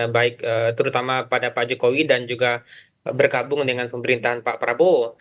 baik terutama pada pak jokowi dan juga bergabung dengan pemerintahan pak prabowo